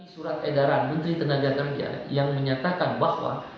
surat edaran kementerian ketenagakerjaan yang menyatakan bahwa